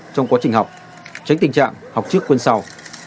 tránh tình trạng học trước quân sau